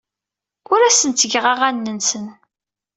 Ur asen-ttgeɣ aɣanen-nsen.